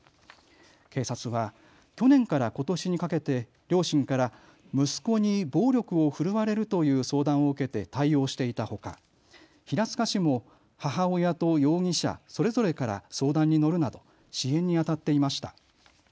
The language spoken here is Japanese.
警察は去年からことしにかけて両親から息子に暴力を振るわれるという相談を受けて対応していたほか、平塚市も母親と容疑者それぞれから相談に乗るなど支援にあたっていました。